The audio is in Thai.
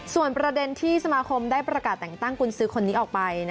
ส่วนประเด็นที่สมาคมได้ประกาศแต่งตั้งกุญซื้อคนนี้ออกไป